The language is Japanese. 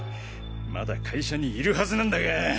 まだ会社にいるはずなんだが。